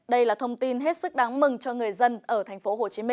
đây là thông tin hết sức đáng mừng cho người dân ở tp hcm